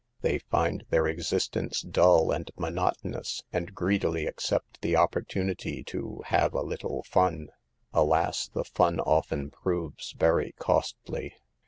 They find their exist ence dull and monotonous, and greedily accept the opportunity to " have a little fun." Alas, the fun. often proves very costly.